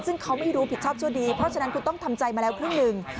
ซึ่งเขาไม่รู้ผิดชอบชั่วดีเพราะฉะนั้นคุณต้องทำใจมาแล้วครึ่งหนึ่ง